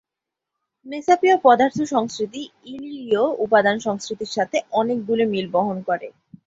মেসাপীয় পদার্থ সংস্কৃতি ইলিরীয় উপাদান সংস্কৃতির সাথে অনেকগুলি মিল বহন করে।